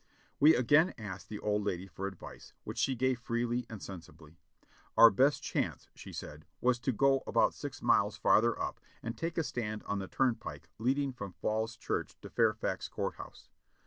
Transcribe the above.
We again asked the old lady for advice, which she gave freely and sensibly. Our best chance, she said, was to go about six miles farther up and take a stand on the turnpike leading from Falls Church to Fairfax Court House.